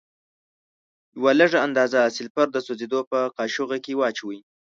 یوه لږه اندازه سلفر د سوځیدو په قاشوغه کې واچوئ.